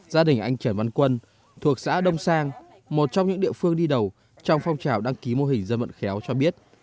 gia đình anh trấn văn quân thuộc xã đông sang một trong những địa phương đi đầu trong phong trào đăng ký mô hình dân vận khéo cho biết